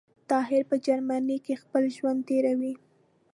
طاهر په جرمنی کي خپل ژوند تیروی